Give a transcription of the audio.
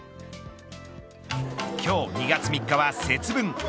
今日、２月３日は節分。